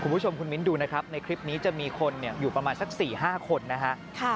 คุณผู้ชมคุณมิ้นดูนะครับในคลิปนี้จะมีคนอยู่ประมาณสัก๔๕คนนะฮะ